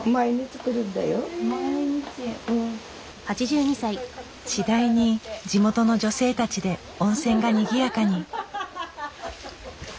次第に地元の女性たちで温泉がにぎやかに。